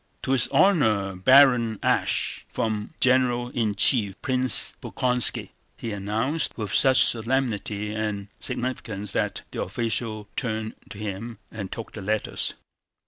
"To his Honor Baron Asch, from General in Chief Prince Bolkónski," he announced with such solemnity and significance that the official turned to him and took the letters.